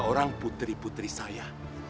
orang putri putri saya